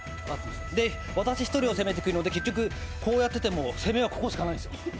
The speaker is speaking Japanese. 私１人を攻めてくるので、結局こうやってやっていても、攻めはここしかないんです。